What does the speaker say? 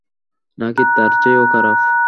নাকি তার চেয়েও খারাপ?